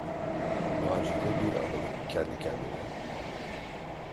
Macide bir aralık kendi kendine: